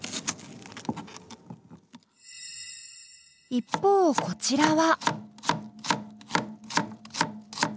一方こちらは。